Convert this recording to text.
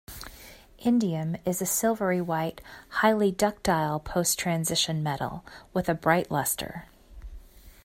Indium is a silvery-white, highly ductile post-transition metal with a bright luster.